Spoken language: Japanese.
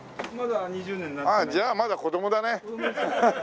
じゃあまだ子供だね。